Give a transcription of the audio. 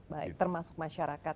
baik termasuk masyarakat